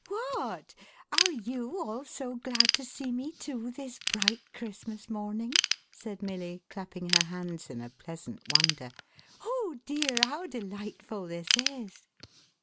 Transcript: "Whatl are you all so glad to see me, too, this bright. Christmas morning?'1 said Milly, clapping her hands in a pleasant wonder. "Oh dear, how delightful this is!"